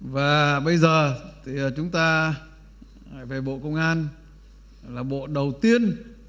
và bây giờ thì chúng ta về bộ công an là bộ đầu tiên